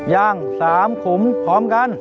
ย่าง๓ขุมพร้อมกัน